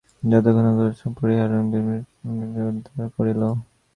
যক্ষও ক্ষণমধ্যে সমরশ্রান্তি পরিহার করিয়া বিক্রমাদিত্যকে সম্বোধিয়া অভিপ্রেত উপাখ্যানের উপক্রম করিল।